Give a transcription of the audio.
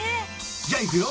じゃあいくよ。